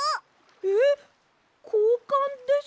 えっこうかんですか？